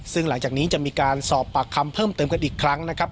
ซึ่งหลังจากนี้จะมีการสอบปากคำเพิ่มเติมกันอีกครั้งนะครับ